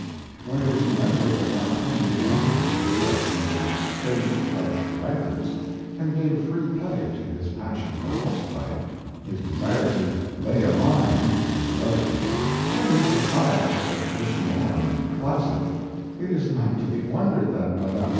When it is remembered that Mark Twain began his career as one of the sage brush writers and gave free play to his passion for horseplay, his desire to "lay a mine" for the other fellow, and his defiance of the traditional and the classic, it is not to be wondered at that Mme.